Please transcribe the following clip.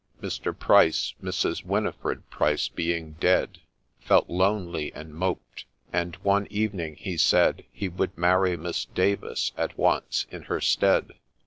Mr. Pryce, Mrs. Winifred Pryce being dead, Felt lonely, and moped ; and one evening he said He would marry Misa Davis at once in her stead.